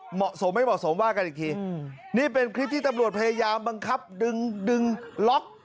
เหมาะสมไม่เหมาะสมว่ากันอีกทีนี่เป็นคลิปที่ตำรวจพยายามบังคับดึงดึงล็อก